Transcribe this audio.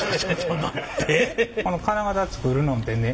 この金型作るのんてね